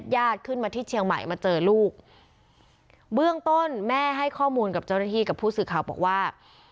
ญาติขึ้นมาที่เชียงใหม่มาเจอลูกเบื้องต้นแม่ให้ข้อมูลกับเจ้าหน้าที่กับผู้สื่อข่าวบอกว่า